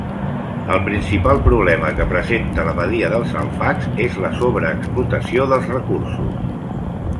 El principal problema que presenta la badia dels alfacs és la sobreexplotació dels recursos.